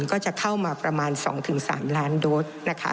ก็จะเข้ามาประมาณ๒๓ล้านโดสนะคะ